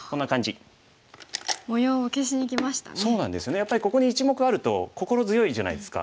やっぱりここに１目あると心強いじゃないですか。